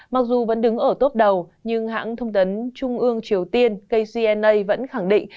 mặc dù vẫn đứng ở tốp đầu nhưng hãng thông tấn trung ương triều tiên kcna vẫn khẳng định